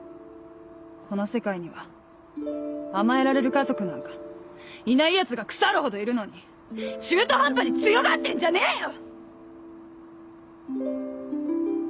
この世界には甘えられる家族なんかいないヤツが腐るほどいるのに中途半端に強がってんじゃねえよ‼